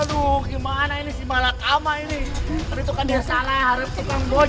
tungguin ya jangan tinggal